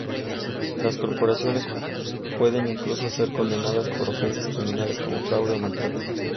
Las corporaciones pueden incluso ser condenadas por ofensas criminales como fraude o maltrato.